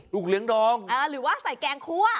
ฤกษ์เหรียญดองหรือว่าใส่แกงคั่ว